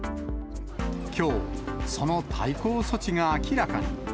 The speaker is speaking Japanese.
きょう、その対抗措置が明らかに。